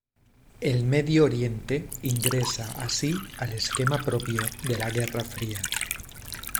El Medio Oriente ingresa así al esquema propio de la Guerra Fría.